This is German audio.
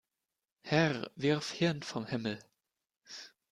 Herr, wirf Hirn vom Himmel!